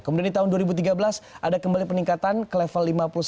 kemudian di tahun dua ribu tiga belas ada kembali peningkatan ke level lima puluh sembilan